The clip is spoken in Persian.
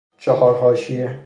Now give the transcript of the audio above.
چهار حاشیه